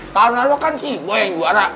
tahun lalu kan sih gue yang juara